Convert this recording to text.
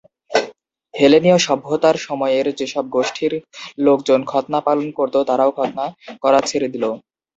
হেলেনিয় সভ্যতার সময়ের যেসব গোষ্ঠীর লোকজন খৎনা পালন করত তারাও খৎনা করা ছেড়ে দিল।